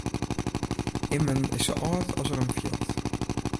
Immen is sa âld as er him fielt.